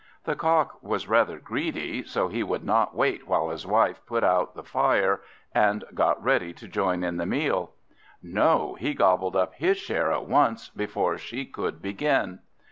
The Cock was rather greedy, so he would not wait while his wife put out the fire and got ready to join in the meal. No! he gobbled up his share at once, before she could begin.